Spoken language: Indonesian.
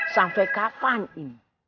sampai kapan ini